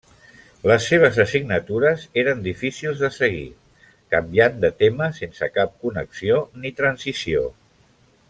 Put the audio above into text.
Les seves assignatures eren difícils de seguir, canviant de tema sense cap connexió ni transició.